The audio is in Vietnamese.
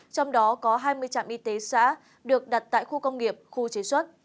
trong đó có hai mươi trạm y tế xã được đặt tại khu công nghiệp khu chế xuất